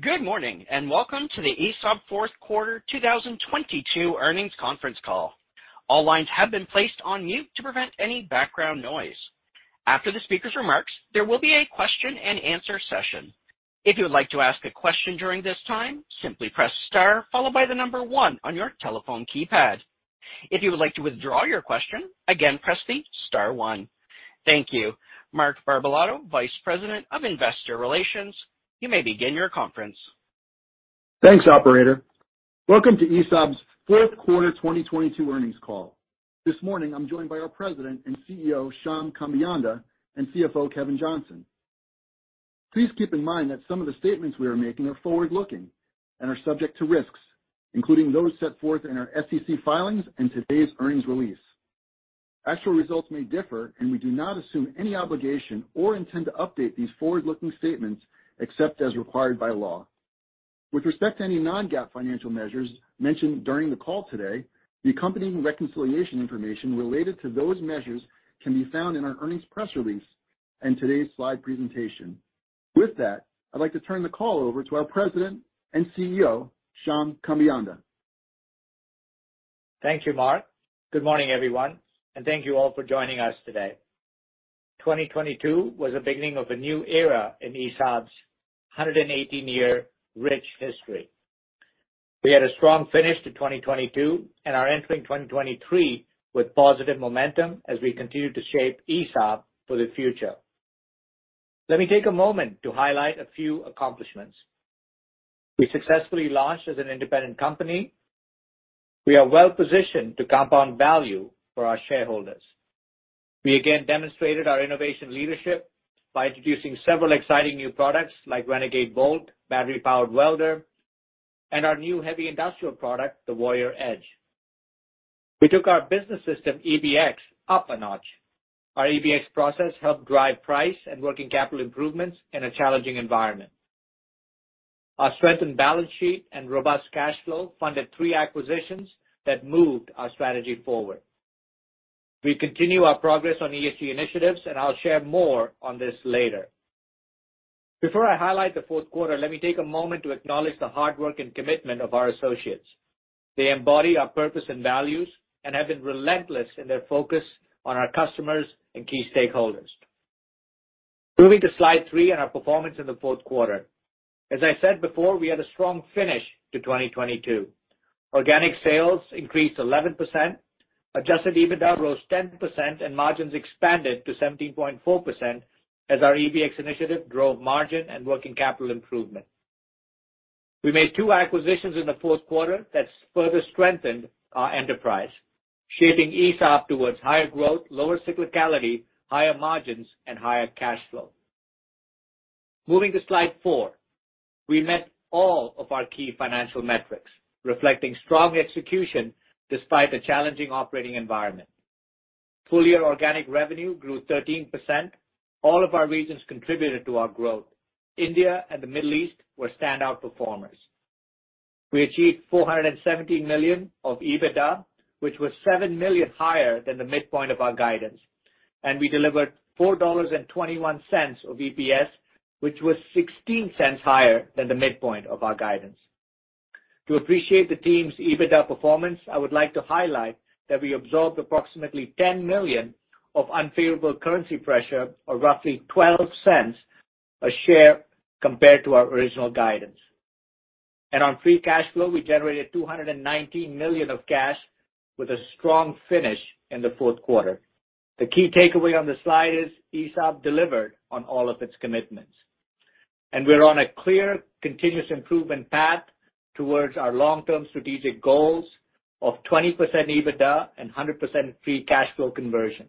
Good morning, welcome to the ESAB Fourth quarter 2022 earnings conference call. All lines have been placed on mute to prevent any background noise. After the speaker's remarks, there will be a question-and-answer session. If you would like to ask a question during this time, simply press star followed by one on your telephone keypad. If you would like to withdraw your question, again, press the star one. Thank you. Mark Barbalato, Vice President of Investor Relations, you may begin your conference. Thanks, operator. Welcome to ESAB's Q4 2022 earnings call. This morning, I'm joined by our President and CEO, Shyam Kambeyanda, and CFO, Kevin Johnson. Please keep in mind that some of the statements we are making are forward-looking and are subject to risks, including those set forth in our SEC filings and today's earnings release. Actual results may differ, we do not assume any obligation or intend to update these forward-looking statements except as required by law. With respect to any non-GAAP financial measures mentioned during the call today, the accompanying reconciliation information related to those measures can be found in our earnings press release and today's slide presentation. With that, I'd like to turn the call over to our President and CEO, Shyam Kambeyanda. Thank you, Mark. Good morning, everyone, and thank you all for joining us today. Twenty-twenty two was a beginning of a new era in ESAB's 118-year rich history. We had a strong finish to 2022 and are entering 2023 with positive momentum as we continue to shape ESAB for the future. Let me take a moment to highlight a few accomplishments. We successfully launched as an independent company. We are well-positioned to compound value for our shareholders. We again demonstrated our innovation leadership by introducing several exciting new products like Renegade VOLT battery-powered welder and our new heavy industrial product, the Warrior Edge. We took our business system, EBX, up a notch. Our EBX process helped drive price and working capital improvements in a challenging environment. Our strengthened balance sheet and robust cash flow funded three acquisitions that moved our strategy forward. We continue our progress on ESG initiatives, and I'll share more on this later. Before I highlight the fourth quarter, let me take a moment to acknowledge the hard work and commitment of our associates. They embody our purpose and values and have been relentless in their focus on our customers and key stakeholders. Moving to slide three on our performance in the Q4. As I said before, we had a strong finish to 2022. Organic sales increased 11%. Adjusted EBITDA rose 10%, and margins expanded to 17.4% as our EBX initiative drove margin and working capital improvement. We made two acquisitions in the fourth quarter that further strengthened our enterprise, shaping ESAB towards higher growth, lower cyclicality, higher margins, and higher cash flow. Moving to slide four. We met all of our key financial metrics, reflecting strong execution despite the challenging operating environment. Full year organic revenue grew 13%. All of our regions contributed to our growth. India and the Middle East were standout performers. We achieved $470 million of EBITDA, which was $7 million higher than the midpoint of our guidance. We delivered $4.21 of EPS, which was $0.16 higher than the midpoint of our guidance. To appreciate the team's EBITDA performance, I would like to highlight that we absorbed approximately $10 million of unfavorable currency pressure or roughly $0.12 a share compared to our original guidance. On free cash flow, we generated $219 million of cash with a strong finish in the Q4. The key takeaway on this slide is ESAB delivered on all of its commitments. We're on a clear, continuous improvement path towards our long-term strategic goals of 20% EBITDA and 100% free cash flow conversion.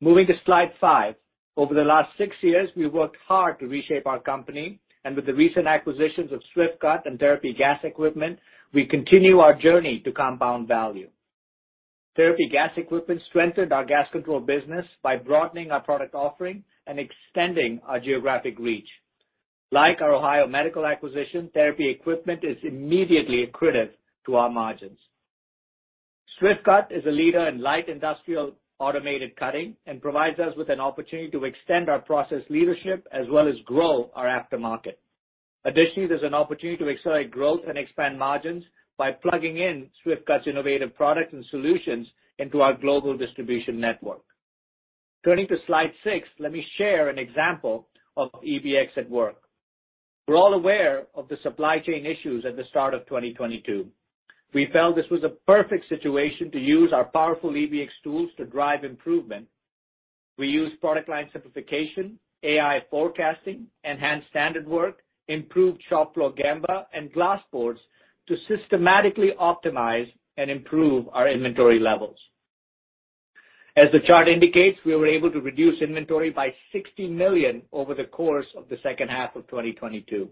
Moving to slide five. Over the last six years, we worked hard to reshape our company. With the recent acquisitions of Swift-Cut and Therapy Equipment, we continue our journey to compound value. Therapy Equipment strengthened our gas control business by broadening our product offering and extending our geographic reach. Like our Ohio Medical acquisition, Therapy Equipment is immediately accretive to our margins. Swift-Cut is a leader in light industrial automated cutting and provides us with an opportunity to extend our process leadership as well as grow our aftermarket. There's an opportunity to accelerate growth and expand margins by plugging in Swift-Cut's innovative products and solutions into our global distribution network. Turning to slide six, let me share an example of EBX at work. We're all aware of the supply chain issues at the start of 2022. We felt this was a perfect situation to use our powerful EBX tools to drive improvement. We used product line simplification, AI forecasting, enhanced standard work, improved shop floor Gemba, and glass boards to systematically optimize and improve our inventory levels. As the chart indicates, we were able to reduce inventory by $60 million over the course of the second half of 2022.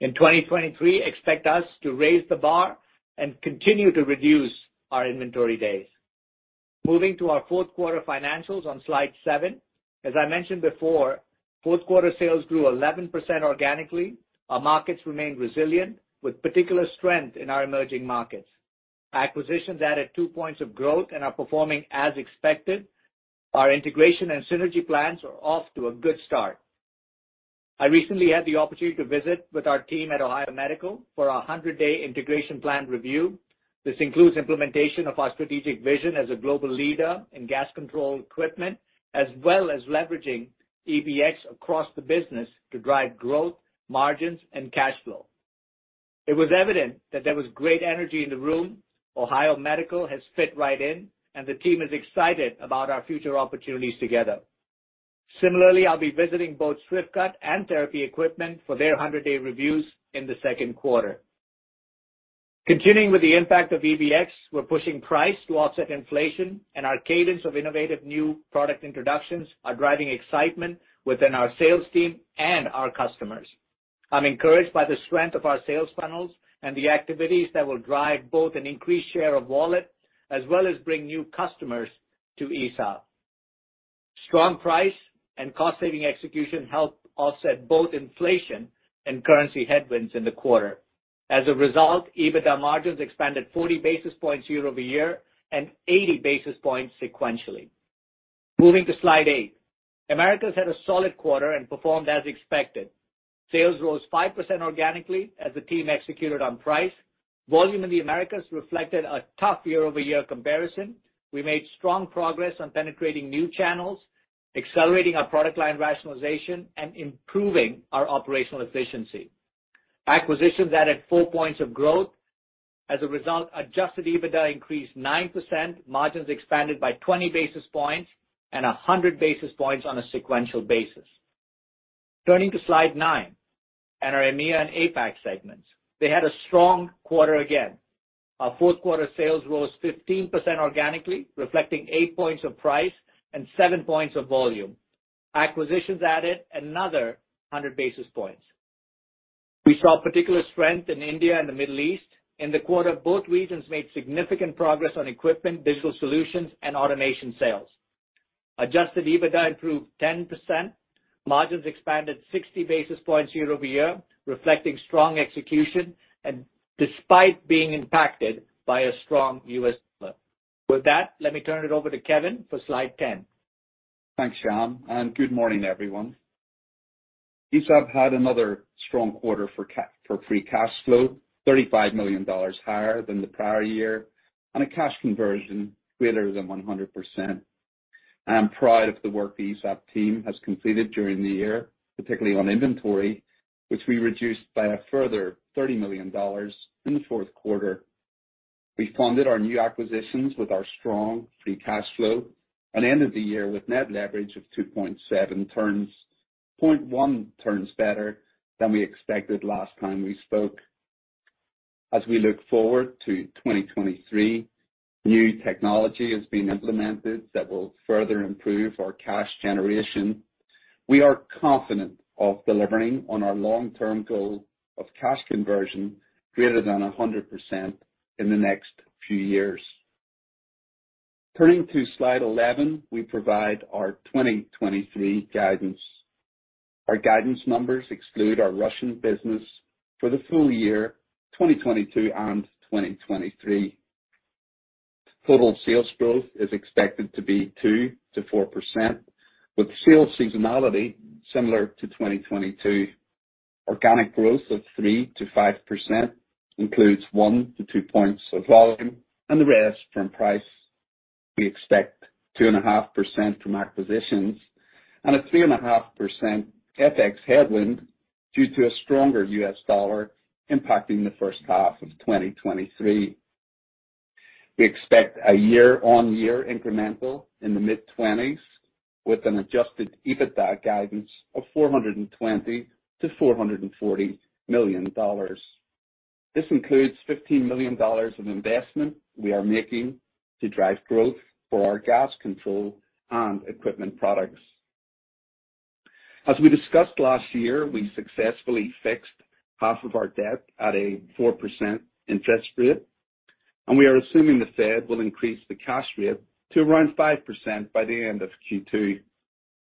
In 2023, expect us to raise the bar and continue to reduce our inventory days. Moving to our fourth quarter financials on slide seven. As I mentioned before, Q4 sales grew 11% organically. Our markets remained resilient, with particular strength in our emerging markets. Acquisitions added 2 points of growth and are performing as expected. Our integration and synergy plans are off to a good start. I recently had the opportunity to visit with our team at Ohio Medical for our 100-day integration plan review. This includes implementation of our strategic vision as a global leader in gas control equipment, as well as leveraging EBX across the business to drive growth, margins, and cash flow. It was evident that there was great energy in the room. Ohio Medical has fit right in, and the team is excited about our future opportunities together. Similarly, I'll be visiting both Swift-Cut and Therapy Equipment for their 100-day reviews in the Q2. Continuing with the impact of EBX, we're pushing price to offset inflation, and our cadence of innovative new product introductions are driving excitement within our sales team and our customers. I'm encouraged by the strength of our sales funnels and the activities that will drive both an increased share of wallet as well as bring new customers to ESAB. Strong price and cost-saving execution helped offset both inflation and currency headwinds in the quarter. As a result, EBITDA margins expanded 40 basis points YoY and 80 basis points sequentially. Moving to slide eight. Americas had a solid quarter and performed as expected. Sales rose 5% organically as the team executed on price. Volume in the Americas reflected a tough year-over-year comparison. We made strong progress on penetrating new channels, accelerating our product line rationalization, and improving our operational efficiency. Acquisitions added 4 points of growth. As a result, adjusted EBITDA increased 9%, margins expanded by 20 basis points, and 100 basis points on a sequential basis. Turning to slide nine, and our EMEA and APAC segments. They had a strong quarter again. Our fourth quarter sales rose 15% organically, reflecting 8 points of price and 7 points of volume. Acquisitions added another 100 basis points. We saw particular strength in India and the Middle East. In the quarter, both regions made significant progress on equipment, digital solutions, and automation sales. Adjusted EBITDA improved 10%. Margins expanded 60 basis points YoY, reflecting strong execution and despite being impacted by a strong U.S. dollar. With that, let me turn it over to Kevin for slide 10. Thanks, Shyam. Good morning, everyone. ESAB had another strong quarter for free cash flow, $35 million higher than the prior year, and a cash conversion greater than 100%. I am proud of the work the ESAB team has completed during the year, particularly on inventory, which we reduced by a further $30 million in the Q4. We funded our new acquisitions with our strong free cash flow and ended the year with net leverage of 2.7 turns, 0.1 turns better than we expected last time we spoke. As we look forward to 2023, new technology is being implemented that will further improve our cash generation. We are confident of delivering on our long-term goal of cash conversion greater than 100% in the next few years. Turning to slide 11, we provide our 2023 guidance. Our guidance numbers exclude our Russian business for the full year, 2022 and 2023. Total sales growth is expected to be 2%-4%, with sales seasonality similar to 2022. Organic growth of 3%-5% includes 1-2 points of volume and the rest from price. We expect 2.5% from acquisitions and a 3.5% FX headwind due to a stronger U.S. dollar impacting the first half of 2023. We expect a year-on-year incremental in the mid-20s with an adjusted EBITDA guidance of $420 million-$440 million. This includes $15 million of investment we are making to drive growth for our gas control and equipment products. As we discussed last year, we successfully fixed half of our debt at a 4% interest rate, and we are assuming the Fed will increase the cash rate to around 5% by the end of Q2.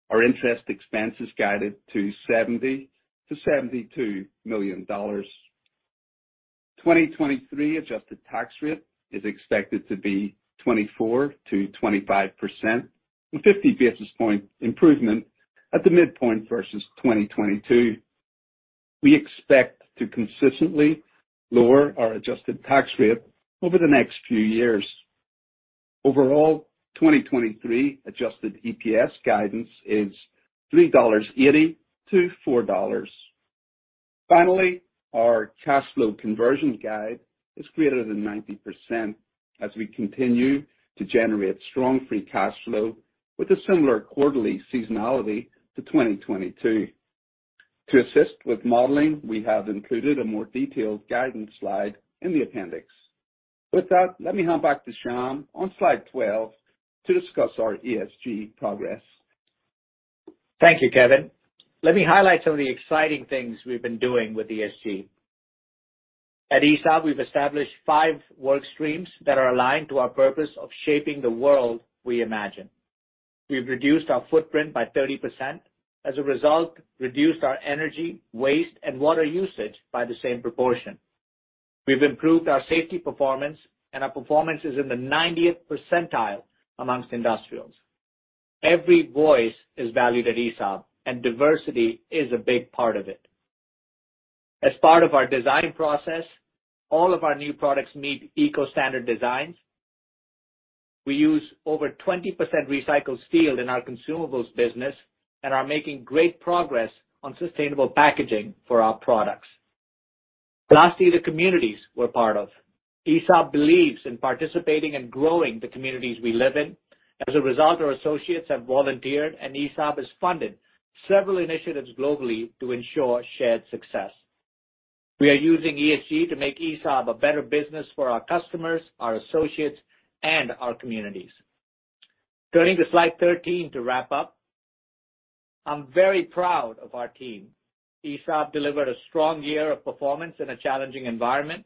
Our interest expense is guided to $70 million-$72 million. 2023 adjusted tax rate is expected to be 24%-25%, a 50 basis point improvement at the midpoint versus 2022. We expect to consistently lower our adjusted tax rate over the next few years. Overall, 2023 adjusted EPS guidance is $3.80-$4.00. Finally, our cash flow conversion guide is greater than 90% as we continue to generate strong free cash flow with a similar quarterly seasonality to 2022. To assist with modeling, we have included a more detailed guidance slide in the appendix. With that, let me hand back to Shyam on slide 12 to discuss our ESG progress. Thank you, Kevin. Let me highlight some of the exciting things we've been doing with ESG. At ESAB, we've established five work streams that are aligned to our purpose of shaping the world we imagine. We've reduced our footprint by 30%. As a result, reduced our energy, waste, and water usage by the same proportion. We've improved our safety performance, and our performance is in the 90th percentile amongst industrials. Every voice is valued at ESAB, and diversity is a big part of it. As part of our design process, all of our new products meet eco-standard designs. We use over 20% recycled steel in our consumables business and are making great progress on sustainable packaging for our products. Lastly, the communities we're part of. ESAB believes in participating and growing the communities we live in. As a result, our associates have volunteered, and ESAB has funded several initiatives globally to ensure shared success. We are using ESG to make ESAB a better business for our customers, our associates, and our communities. Turning to slide 13 to wrap up, I'm very proud of our team. ESAB delivered a strong year of performance in a challenging environment.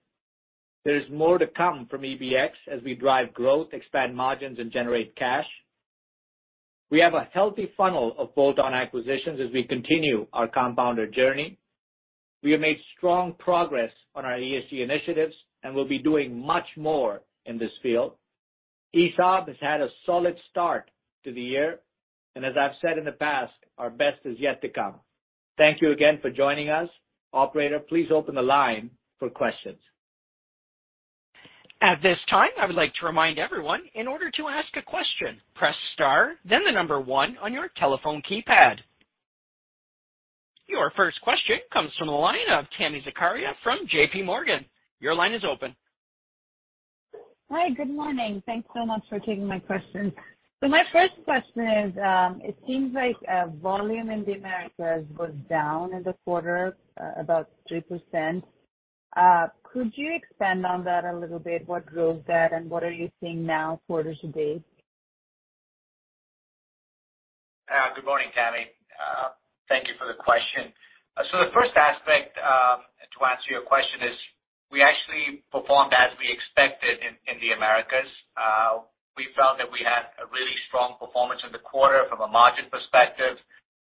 There is more to come from EBX as we drive growth, expand margins, and generate cash. We have a healthy funnel of bolt-on acquisitions as we continue our compounder journey. We have made strong progress on our ESG initiatives, and we'll be doing much more in this field. ESAB has had a solid start to the year, and as I've said in the past, our best is yet to come. Thank you again for joining us. Operator, please open the line for questions. At this time, I would like to remind everyone, in order to ask a question, press star, then 1 on your telephone keypad. Your first question comes from the line of Tami Zakaria from J.P. Morgan. Your line is open. Hi. Good morning. Thanks so much for taking my question. My first question is, it seems like volume in the Americas was down in the quarter, about 3%. Could you expand on that a little bit? What drove that, and what are you seeing now quarter to date? Good morning, Tami. Thank you for the question. The first aspect to answer your question is we actually performed as we expected in the Americas. We felt that we had a really strong performance in the quarter from a margin perspective.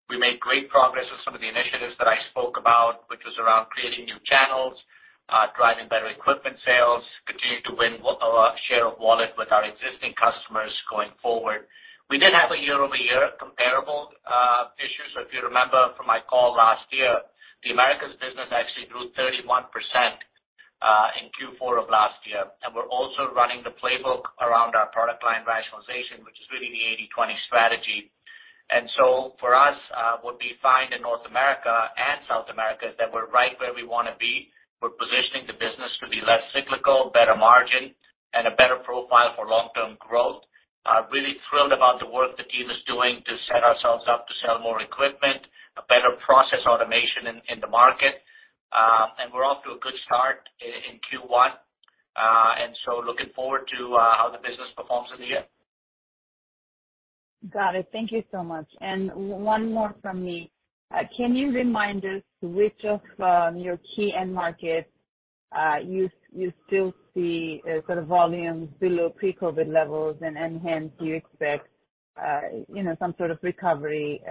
We made great progress with some of the initiatives that I spoke about, which was around creating new channels, driving better equipment sales, continuing to win our share of wallet with our existing customers going forward. We did have a year-over-year comparable issue. If you remember from my call last year, the Americas business actually grew 31% in Q4 of last year. We're also running the playbook around our product line rationalization, which is really the 80/20 strategy. For us, what we find in North America and South America is that we're right where we wanna be. We're positioning the business to be less cyclical, better margin, and a better profile for long-term growth. Really thrilled about the work the team is doing to set ourselves up to sell more equipment, a better process automation in the market. We're off to a good start in Q1. Looking forward to how the business performs in the year. Got it. Thank you so much. One more from me. Can you remind us which of your key end markets, you still see sort of volumes below pre-COVID levels and hence you expect, you know, some sort of recovery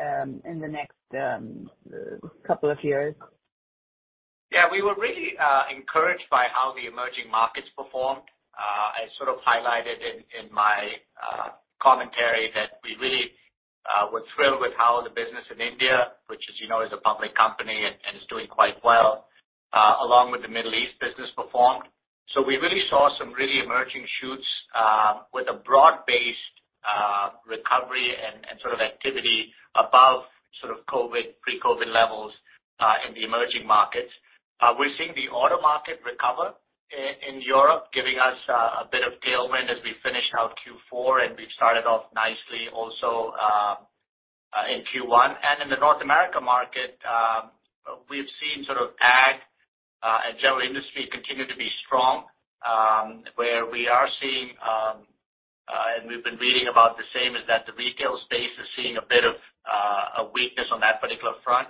in the next couple of years? We were really encouraged by how the emerging markets performed. I sort of highlighted in my commentary that we really were thrilled with how the business in India, which, as you know, is a public company and is doing quite well, along with the Middle East business performed. We really saw some really emerging shoots, with a broad-based recovery and sort of activity above sort of COVID, pre-COVID levels, in the emerging markets. We're seeing the auto market recover in Europe, giving us a bit of tailwind as we finish out Q4, and we've started off nicely also in Q1. In the North America market, we've seen sort of ag and general industry continue to be strong, where we are seeing, and we've been reading about the same, is that the retail space is seeing a bit of a weakness on that particular front.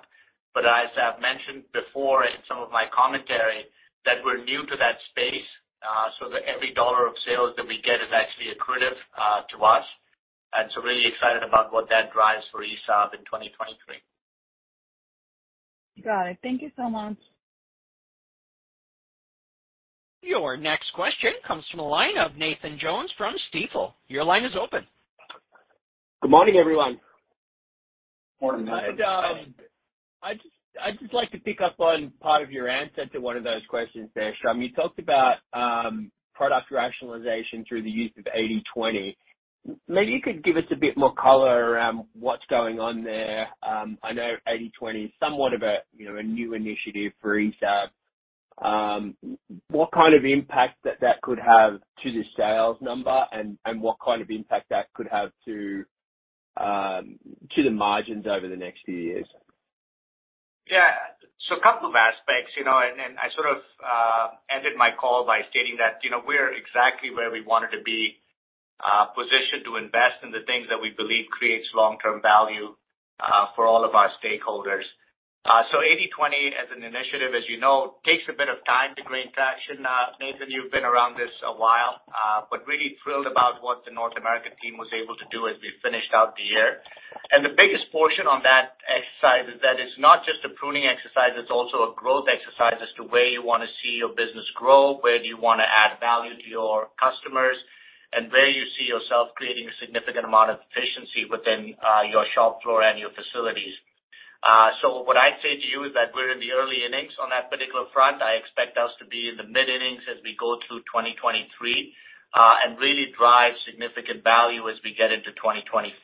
As I've mentioned before in some of my commentary, that we're new to that space, so that every dollar of sales that we get is actually accretive to us. Really excited about what that drives for ESAB in 2023. Got it. Thank you so much. Your next question comes from the line of Nathan Jones from Stifel. Your line is open. Good morning, everyone. Morning, Nathan. I'd just like to pick up on part of your answer to one of those questions there, Shyam. You talked about product rationalization through the use of 80/20. Maybe you could give us a bit more color around what's going on there. I know 80/20 is somewhat of a, you know, a new initiative for ESAB. What kind of impact that could have to the sales number and what kind of impact that could have to the margins over the next few years? A couple of aspects, you know, and then I sort of ended my call by stating that, you know, we're exactly where we wanted to be, positioned to invest in the things that we believe creates long-term value, for all of our stakeholders. 80/20 as an initiative, as you know, takes a bit of time to gain traction. Nathan, you've been around this a while, really thrilled about what the North American team was able to do as we finished out the year. The biggest portion on that exercise is that it's not just a pruning exercise, it's also a growth exercise as to where you wanna see your business grow, where do you wanna add value to your customers, and where you see yourself creating a significant amount of efficiency within your shop floor and your facilities. What I'd say to you is that we're in the early innings on that particular front. I expect us to be in the mid-innings as we go through 2023 and really drive significant value as we get into 2024.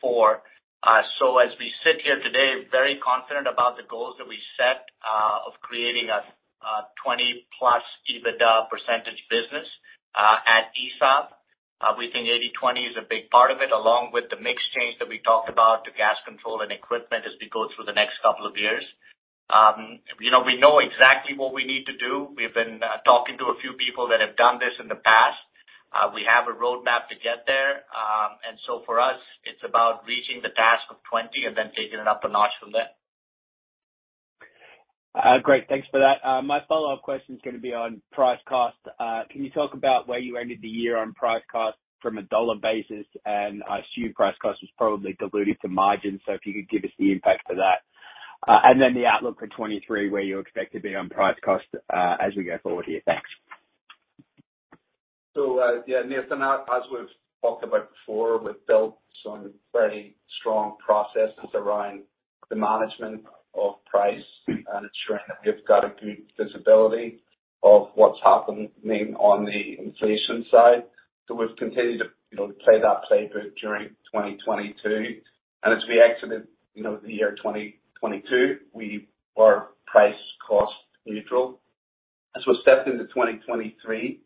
As we sit here today, very confident about the goals that we set of creating a 20+ EBITDA % business at ESAB. We think 80/20 is a big part of it, along with the mix change that we talked about to gas control and equipment as we go through the next couple of years. You know, we know exactly what we need to do. We've been talking to a few people that have done this in the past. We have a roadmap to get there. For us, it's about reaching the task of 20 and then taking it up a notch from there. Great. Thanks for that. My follow-up question is gonna be on price cost. Can you talk about where you ended the year on price cost from a dollar basis? I assume price cost was probably dilutive to margin, so if you could give us the impact for that. The outlook for 2023, where you expect to be on price cost, as we go forward here. Thanks. Nathan, as we've talked about before, we've built some very strong processes around the management of price, and ensuring that we've got a good visibility of what's happening on the inflation side. We've continued to, you know, play that playbook during 2022. As we exited, you know, the year 2022, we were price cost neutral. As we step into 2023,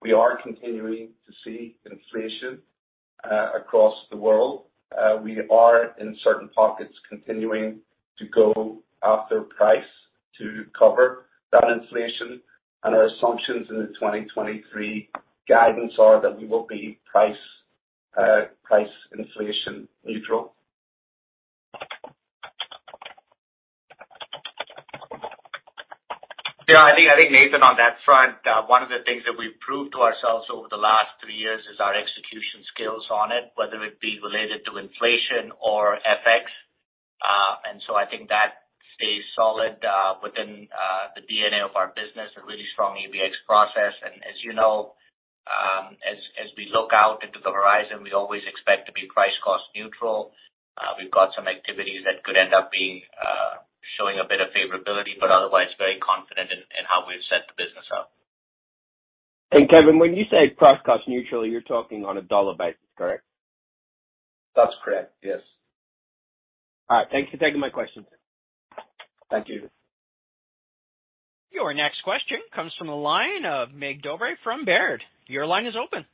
we are continuing to see inflation across the world. We are in certain pockets continuing to go after price to cover that inflation. Our assumptions in the 2023 guidance are that we will be price inflation neutral. Yeah, I think Nathan, on that front, one of the things that we've proved to ourselves over the last three years is our execution skills on it, whether it be related to inflation or FX. I think that stays solid within the DNA of our business, a really strong EBX process. As you know, as we look out into the horizon, we always expect to be price cost neutral. We've got some activities that could end up being showing a bit of favorability, but otherwise very confident in how we've set the business up. Kevin, when you say price cost neutral, you're talking on a dollar basis, correct? That's correct, yes. All right. Thank you for taking my questions. Thank you. Your next question comes from a line of Mig Dobre from Baird. Your line is open.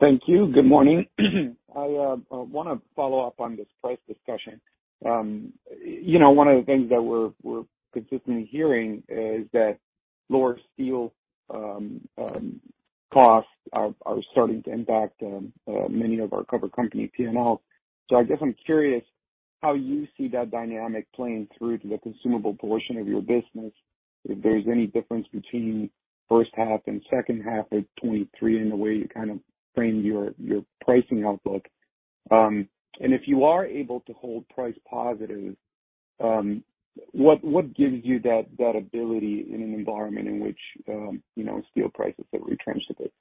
Thank you. Good morning. I want to follow up on this price discussion. You know, one of the things that we're consistently hearing is that lower steel costs are starting to impact many of our covered company P&Ls. I guess I'm curious how you see that dynamic playing through to the consumable portion of your business, if there's any difference between first half and second half of 2023 in the way you kind of frame your pricing outlook. If you are able to hold price positive, what gives you that ability in an environment in which, you know, steel prices are retrenching a bit?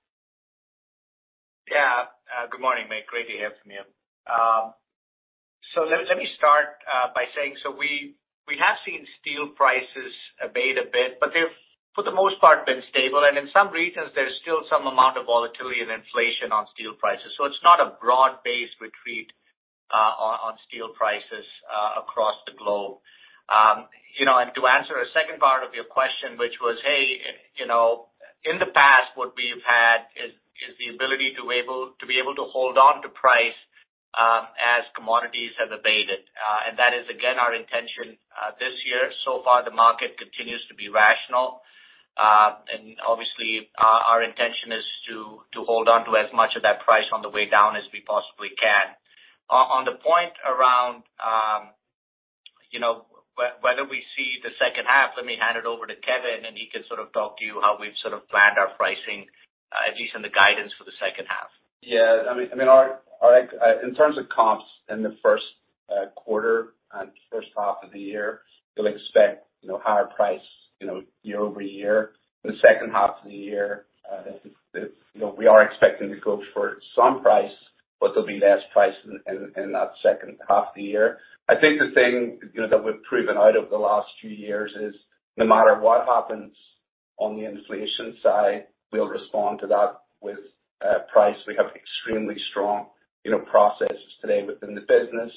Good morning, Mig. Great to hear from you. Let me start by saying we have seen steel prices abate a bit, but they've, for the most part, been stable. In some regions, there's still some amount of volatility and inflation on steel prices. It's not a broad-based retreat on steel prices across the globe. You know, to answer a second part of your question, which was, hey, you know, in the past, what we've had is the ability to be able to hold on to price as commodities have abated. That is again, our intention this year. So far, the market continues to be rational. Obviously our intention is to hold on to as much of that price on the way down as we possibly can. On, on the point around, you know, whether we see the second half, let me hand it over to Kevin, and he can sort of talk to you how we've sort of planned our pricing, at least in the guidance for the second half. Yeah. I mean, our, in terms of comps in the first quarter and first half of the year, you'll expect, you know, higher price, you know, year-over-year. The second half of the year, you know, we are expecting to go for some price, but there'll be less price in that second half of the year. I think the thing, you know, that we've proven out of the last few years is no matter what happens on the inflation side, we'll respond to that with price. We have extremely strong, you know, processes today within the business.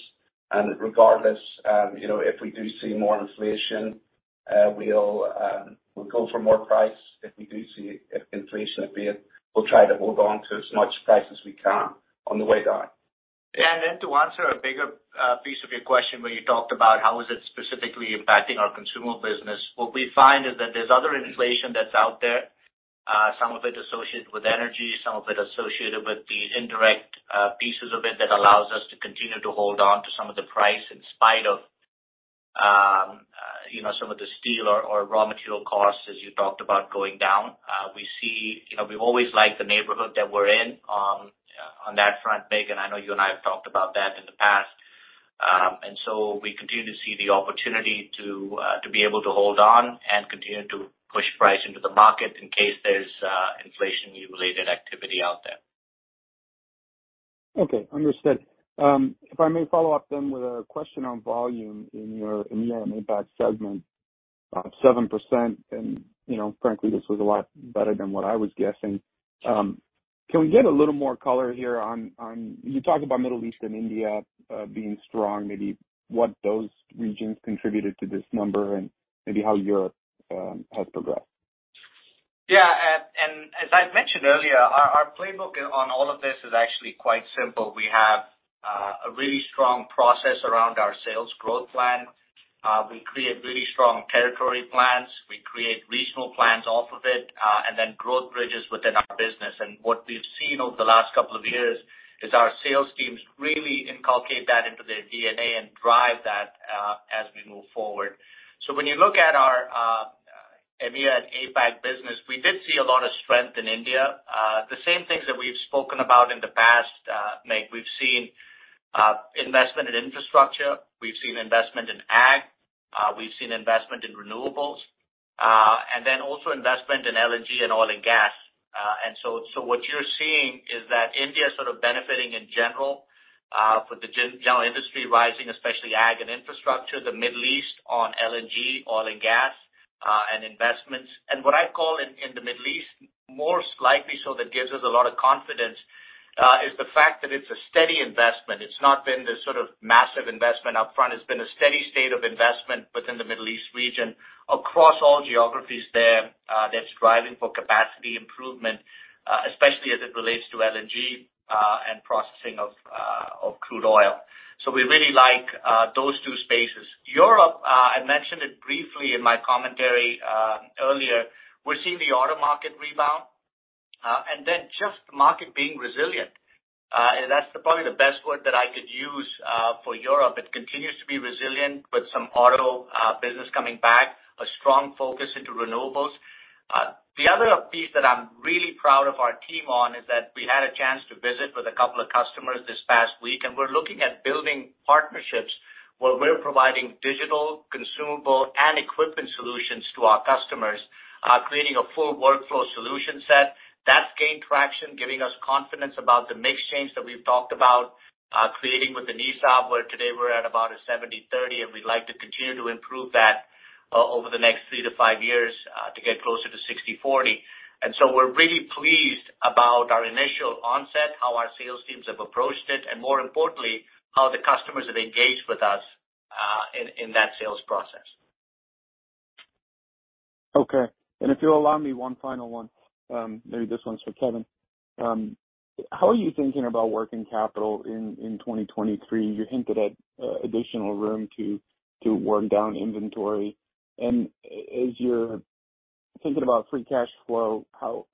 Regardless, you know, if we do see more inflation, we'll go for more price. If we do see inflation abate, we'll try to hold on to as much price as we can on the way down. Then to answer a bigger piece of your question, where you talked about how is it specifically impacting our consumable business, what we find is that there's other inflation that's out there, some of it associated with energy, some of it associated with the indirect pieces of it that allows us to continue to hold on to some of the price in spite of, you know, some of the steel or raw material costs as you talked about going down. We see, you know, we've always liked the neighborhood that we're in on that front, Nick, and I know you and I have talked about that in the past. So we continue to see the opportunity to be able to hold on and continue to push price into the market in case there's inflation-related activity out there. Okay. Understood. If I may follow up then with a question on volume in your APAC segment, 7%. You know, frankly, this was a lot better than what I was guessing. Can we get a little more color here? You talk about Middle East and India being strong, maybe what those regions contributed to this number and maybe how Europe has progressed. Yeah. As I mentioned earlier, our playbook on all of this is actually quite simple. We have a really strong process around our sales growth plan. We create really strong territory plans. We create regional plans off of it, and then growth bridges within our business. What we've seen over the last couple of years is our sales teams really inculcate that into their DNA and drive that as we move forward. When you look at our EMEA and APAC business, we did see a lot of strength in India. The same things that we've spoken about in the past, Nick. We've seen investment in infrastructure. We've seen investment in ag. We've seen investment in renewables, and then also investment in LNG and oil and gas. What you're seeing is that India is sort of benefiting in general, for the general industry rising, especially ag and infrastructure, the Middle East on LNG, oil and gas, and investments. What I call in the Middle East, more slightly so that gives us a lot of confidence, is the fact that it's a steady investment. It's not been this sort of massive investment upfront. It's been a steady state of investment within the Middle East region across all geographies there, that's driving for capacity improvement, especially as it relates to LNG, and processing of crude oil. We really like those two spaces. Europe, I mentioned it briefly in my commentary, earlier. We're seeing the auto market rebound, and then just the market being resilient. That's probably the best word that I could use for Europe. It continues to be resilient with some auto business coming back, a strong focus into renewables. The other piece that I'm really proud of our team on is that we had a chance to visit with a couple of customers this past week, and we're looking at building partnerships where we're providing digital, consumable, and equipment solutions to our customers, creating a full workflow solution set. That's gained traction, giving us confidence about the mix change that we've talked about, creating with the ESAB, where today we're at about a 70/30, and we'd like to continue to improve that over the next three to five years, to get closer to 60/40. We're really pleased about our initial onset, how our sales teams have approached it, and more importantly, how the customers have engaged with us, in that sales process. Okay. If you'll allow me one final one, maybe this one's for Kevin. How are you thinking about working capital in 2023? You hinted at additional room to work down inventory. As you're thinking about free cash flow, how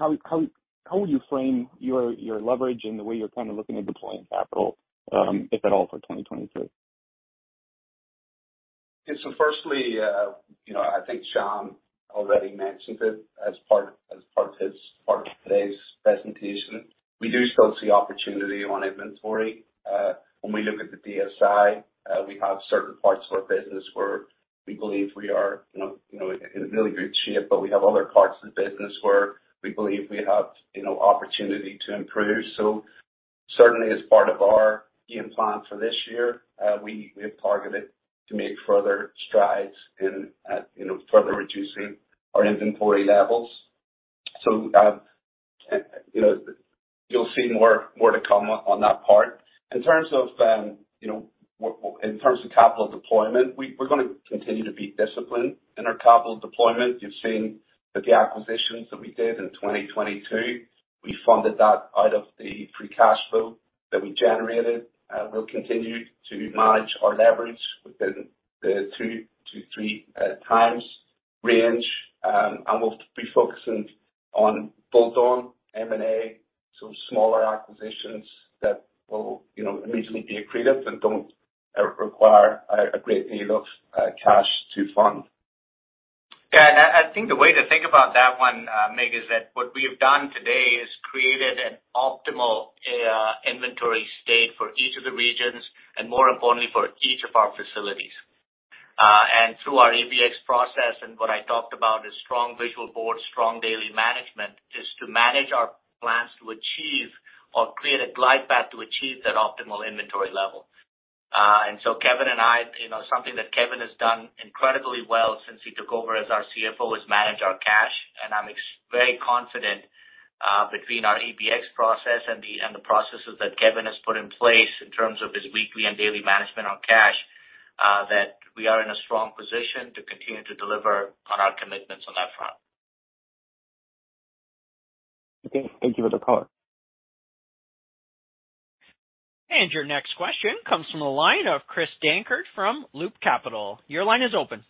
would you frame your leverage and the way you're kind of looking at deploying capital, if at all, for 2023? Yeah. Firstly, you know, I think Shaym already mentioned it as part of his part of today's presentation. We do still see opportunity on inventory. When we look at the DSI, we have certain parts of our business where we believe we are, you know, in really good shape, but we have other parts of the business where we believe we have, you know, opportunity to improve. Certainly as part of our key plan for this year, we have targeted to make further strides in, you know, further reducing our inventory levels. You know, you'll see more to come on that part. In terms of, you know, in terms of capital deployment, we're gonna continue to be disciplined in our capital deployment. You've seen with the acquisitions that we did in 2022, we funded that out of the free cash flow that we generated, and we'll continue to manage our leverage within the 2-3 times range. We'll be focusing on bolt-on M&A, so smaller acquisitions that will, you know, immediately be accretive and don't require a great deal of cash to fund. Yeah. I think the way to think about that one, Nick, is that what we have done today is created an optimal inventory state for each of the regions and more importantly, for each of our facilities. Through our EBX process and what I talked about is strong visual board, strong daily management is to manage our plans to achieve or create a glide path to achieve that optimal inventory level. Kevin and I, you know, something that Kevin has done incredibly well since he took over as our CFO is manage our cash. I'm very confident between our EBX process and the processes that Kevin has put in place in terms of his weekly and daily management on cash that we are in a strong position to continue to deliver on our commitments on that front. Okay. Thank you for the color. Your next question comes from the line of Chris Dankert from Loop Capital Markets. Your line is open.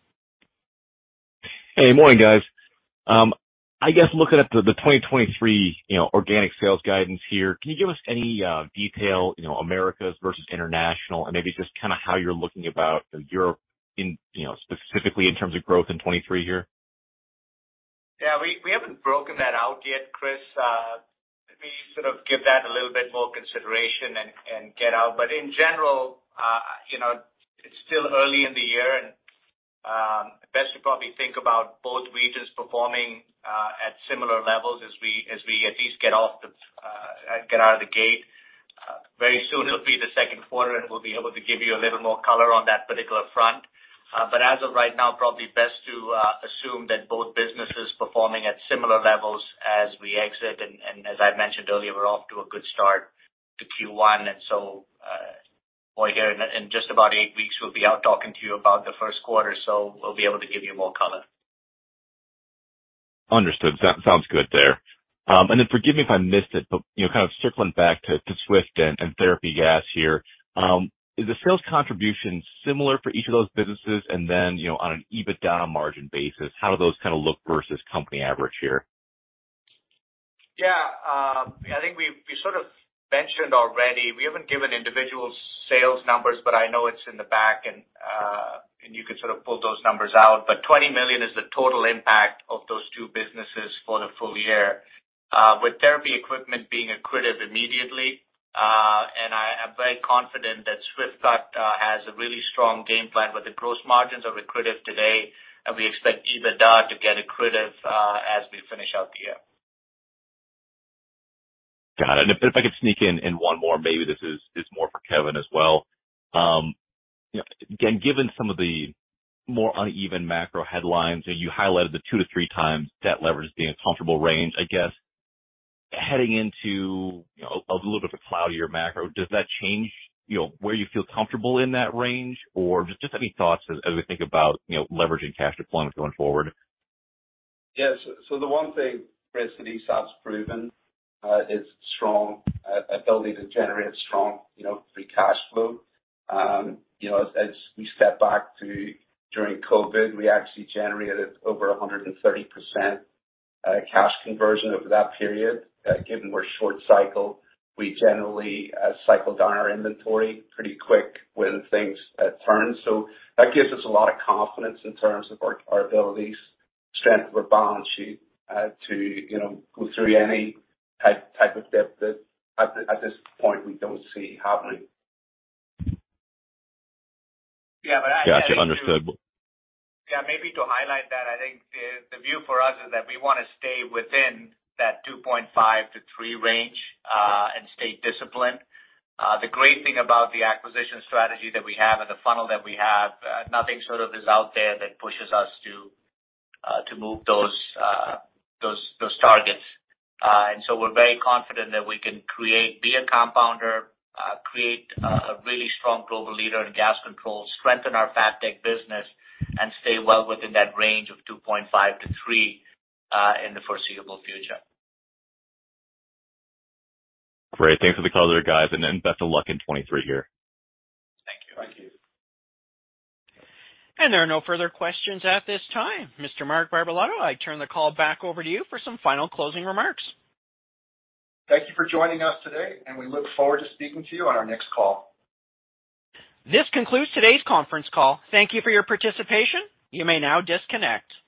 Hey, morning, guys. I guess looking at the 2023, you know, organic sales guidance here, can you give us any detail, you know, Americas versus international and maybe just kind of how you're looking about Europe in, you know, specifically in terms of growth in 2023 here? Yeah, we haven't broken that out yet, Chris Dankert. Let me sort of give that a little bit more consideration and get out. In general, you know, it's still early in the year and best to probably think about both regions performing at similar levels as we at least get off the get out of the gate. Very soon it'll be the second quarter, and we'll be able to give you a little more color on that particular front. As of right now, probably best to assume that both businesses performing at similar levels as we exit. As I mentioned earlier, we're off to a good start to Q1. Again, in just about eight weeks we'll be out talking to you about the first quarter, so we'll be able to give you more color. Understood. Sounds good there. Forgive me if I missed it, but, you know, kind of circling back to Swift and Therapy Equipment here, is the sales contribution similar for each of those businesses? On an EBITDA margin basis, how do those kind of look versus company average here? Yeah. I think we sort of mentioned already we haven't given individual sales numbers, but I know it's in the back and you can sort of pull those numbers out. $20 million is the total impact of those two businesses for the full year with Therapy Equipment being accretive immediately. I am very confident that Swift-Cut has a really strong game plan, but the gross margins are accretive today, and we expect EBITDA to get accretive as we finish out the year. Got it. If I could sneak in one more, maybe this is more for Kevin as well. You know, again, given some of the more uneven macro headlines, and you highlighted the 2-3x debt leverage being a comfortable range, I guess heading into, you know, a little bit of a cloudier macro, does that change, you know, where you feel comfortable in that range? Or just any thoughts as we think about, you know, leveraging cash deployment going forward? The one thing, Chris, that ESAB's proven is strong ability to generate strong, you know, free cash flow. As we step back to during COVID, we actually generated over 130% cash conversion over that period. Given we're short cycle, we generally cycle down our inventory pretty quick when things turn. That gives us a lot of confidence in terms of our abilities, strength of our balance sheet to, you know, go through any type of debt that at this point we don't see happening. Yeah, but. Gotcha. Understood. Maybe to highlight that, I think the view for us is that we wanna stay within that 2.5-3 range and stay disciplined. The great thing about the acquisition strategy that we have and the funnel that we have, nothing sort of is out there that pushes us to move those targets. We're very confident that we can create, be a compounder, create a really strong global leader in gas controls, strengthen our FABTECH business, and stay well within that range of 2.5-3 in the foreseeable future. Great. Thanks for the color, guys, and then best of luck in 2023 here. Thank you. Thank you. There are no further questions at this time. Mr. Mark Barbalato, I turn the call back over to you for some final closing remarks. Thank you for joining us today, and we look forward to speaking to you on our next call. This concludes today's conference call. Thank you for your participation. You may now disconnect.